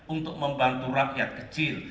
untuk membantu rakyat kecil